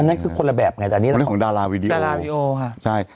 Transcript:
อันนั้นคือคนละแบบไงแต่อันนี้ละครผมเล่นของดาราวีดีโอดาราวีดีโอค่ะใช่